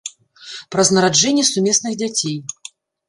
Праз нараджэнне сумесных дзяцей.